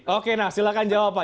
oke nah silahkan jawab pak